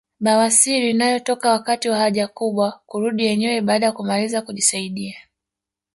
Bawasiri inayotoka wakati wa haja kubwa kurudi yenyewe baada ya kumaliza kujisaidia